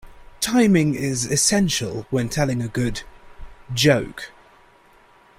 Timing is essential when telling a good joke.